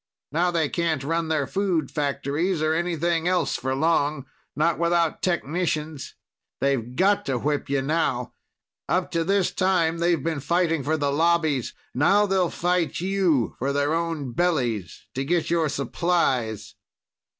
Now they can't run their food factories or anything else for long. Not without technicians. They've got to whip you now. Up to this time, they've been fighting for the Lobbies. Now they'll fight you for their own bellies to get your supplies.